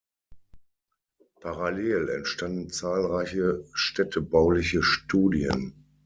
Parallel entstanden zahlreiche städtebauliche Studien.